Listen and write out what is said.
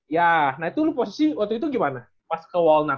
ya nah itu lu posisi waktu itu gimana pas ke wallna